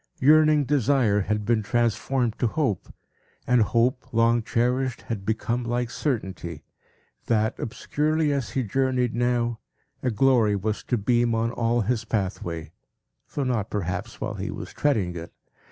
Yearning desire had been transformed to hope; and hope, long cherished, had become like certainty, that, obscurely as he journeyed now, a glory was to beam on all his pathway, though not, perhaps, while he was treading it.